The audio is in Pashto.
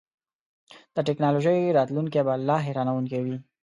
د ټیکنالوژۍ راتلونکی به لا حیرانوونکی وي.